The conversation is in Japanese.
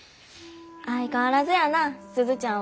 相変わらずやな鈴ちゃんは。